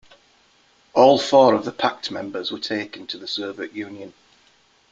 All four of the pact members were taken to the Soviet Union.